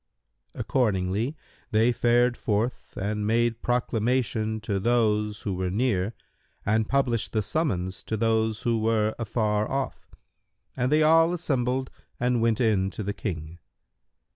Accordingly they fared forth and made proclamation to those who were near and published the summons to those who were afar off, and they all assembled and went in to the King.